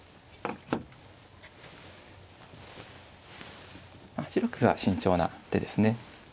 ８六歩は慎重な手ですね。